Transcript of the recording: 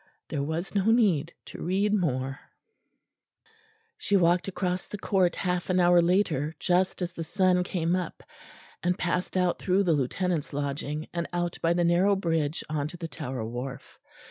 There was no need to read more. She walked across the court half an hour later, just as the sun came up; and passed out through the Lieutenant's lodging, and out by the narrow bridge on to the Tower wharf.